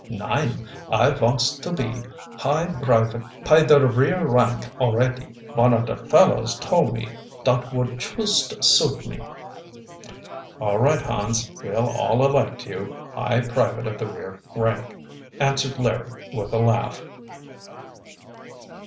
"Nein, I vonts to be high brivate py der rear rank alretty. Von of der fellows tole me dot would chust suit me." "All right, Hans, we'll all elect you high private of the rear rank," answered Larry with a laugh.